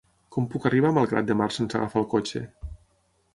Com puc arribar a Malgrat de Mar sense agafar el cotxe?